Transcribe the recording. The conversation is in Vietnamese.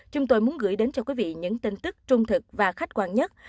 chúng tôi muốn gửi đến cho quý vị những tin tức trung thực và khách quan nhất